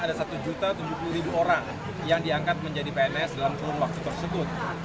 ada satu tujuh puluh orang yang diangkat menjadi pns dalam kurun waktu tersebut